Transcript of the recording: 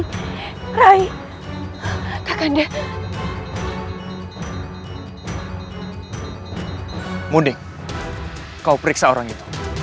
ternyata gusti ratu kentering manik